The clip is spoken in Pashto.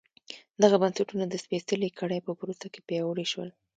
دغه بنسټونه د سپېڅلې کړۍ په پروسه کې پیاوړي شول.